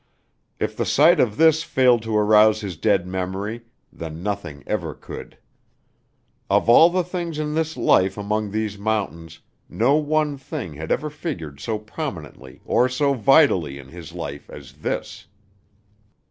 If the sight of this failed to arouse his dead memory, then nothing ever could. Of all the things in this life among these mountains no one thing had ever figured so prominently or so vitally in his life as this.